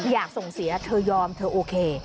อยากส่งเสียเธอยอมเธอโอเค